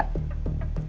bisa tau gak